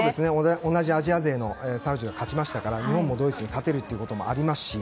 同じアジア勢のサウジが勝ちましたから日本もドイツに勝てるということもありますし。